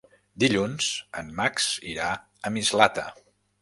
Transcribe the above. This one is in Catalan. Dilluns en Max irà a Mislata.